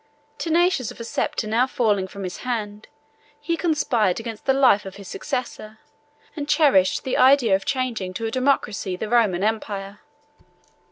Tenacious of a sceptre now falling from his hand, he conspired against the life of his successor, and cherished the idea of changing to a democracy the Roman empire.